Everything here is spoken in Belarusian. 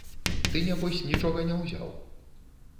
Ты нябось нічога не ўзяў.